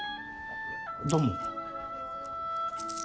どうも。